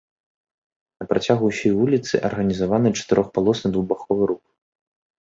На працягу ўсёй вуліцы арганізаваны чатырохпалосны двухбаковы рух.